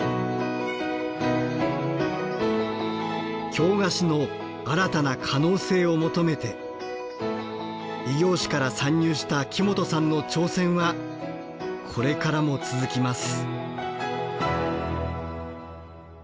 京菓子の新たな可能性を求めて異業種から参入した木本さんの挑戦はこれからも続きます。